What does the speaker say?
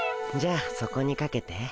じゃあそこにかけて。